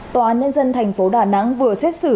tòa án nhân dân thành phố đà nẵng vừa xét xử